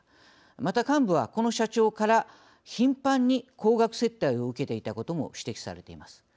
また幹部は、この社長から頻繁に高額接待を受けていたことも指摘されています。